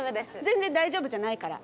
全然大丈夫じゃないから。